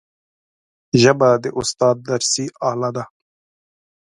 ژبه د استاد درسي آله ده